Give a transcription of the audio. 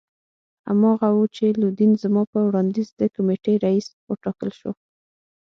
هماغه وو چې لودین زما په وړاندیز د کمېټې رییس وټاکل شو.